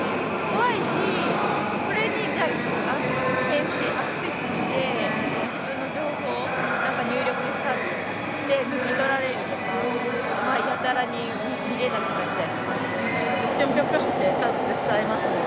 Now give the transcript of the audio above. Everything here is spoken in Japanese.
怖いし、これにアクセスして、自分の情報を入力して、抜き取られるとか、やたらに見れなくなっちゃいますね。